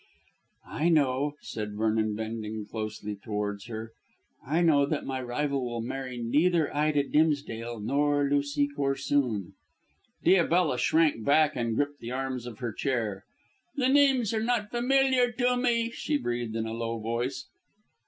"I know," said Vernon, bending closely towards her, "I know that my rival will marry neither Ida Dimsdale nor Lucy Corsoon." Diabella shrank back and gripped the arms of her chair. "The names are not familiar to me," she breathed in a low voice.